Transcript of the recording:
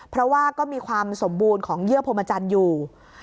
เพราะว่าก็มีความสมบูรณ์ของเยื่อพรมจันทร์อยู่